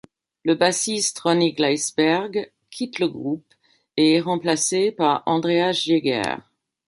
Le bassiste Ronny Gleissberg quitte le groupe, et est remplacé par Andreas Jäger.